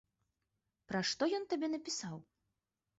Пра што ён табе напісаў?